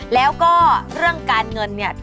แล้วก็เรื่องการเงินเนี่ย